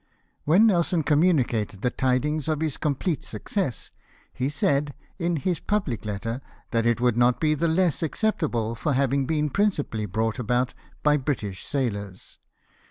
When Nelson communicated the tidings of his complete success, he said, in his public letter, " that it would not be the less acceptable for having been principally brought about by British sailors."